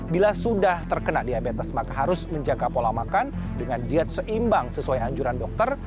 bila sudah terkena diabetes maka harus menjaga pola makan dengan diet seimbang sesuai anjuran dokter